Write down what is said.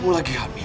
kamu lagi hamil